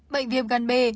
bệnh viêm gan b